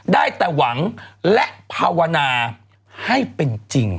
ได้แต่หวังและภาวนาให้เป็นจริง